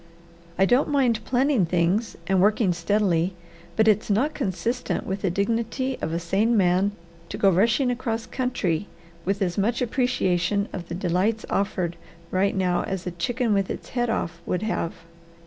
I don't mind planning things and working steadily, but it's not consistent with the dignity of a sane man to go rushing across country with as much appreciation of the delights offered right now as a chicken with its head off would have.